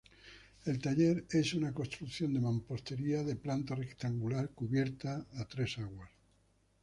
El taller es una construcción de mampostería de planta rectangular, cubierta a tres aguas.